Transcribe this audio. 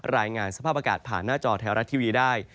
รายงานสภาพอากาศผ่านหน้าจอไทยรัฐทีวีได้